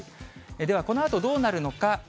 では、このあとどうなるのか。